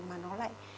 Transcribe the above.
mà nó lại